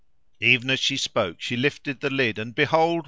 Even as she spoke, she lifted the lid; and behold!